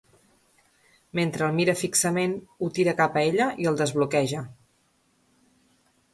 Mentre el mira fixament, ho tira cap a ella i el desbloqueja.